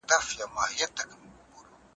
تاسي تل د نېکۍ په لاره ځئ.